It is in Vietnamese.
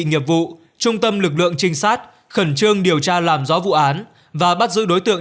nghiệp vụ trung tâm lực lượng trinh sát khẩn trương điều tra làm rõ vụ án và bắt giữ đối tượng